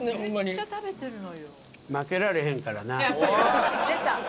めっちゃ食べてるのよ。